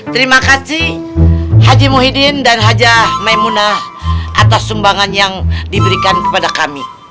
terima kasih haji muhyiddin dan hajah maimunah atas sumbangan yang diberikan kepada kami